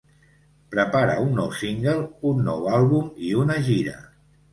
Prepara un nou single, un nou àlbum i una gira.